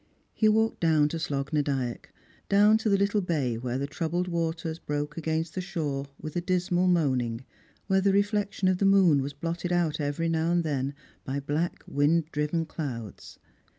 He walked down to Slogh na Dyack, down to the little bay where the troubled waters broke against the shore with a dismal moaning, where the reflection of the moon was blotted out every now and then by black wind driven clouds.